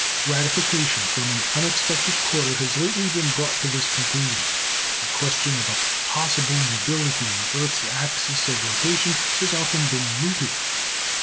Ratification from an unexpected quarter has lately been brought to this conclusion. The question of a possible mobility in the earth's axis of rotation has often been mooted.